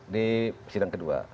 di sidang kedua